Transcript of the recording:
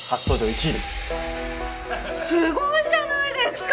すごいじゃないですか！